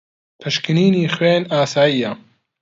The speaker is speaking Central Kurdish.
پشکنینی خوێن ئاسایییە.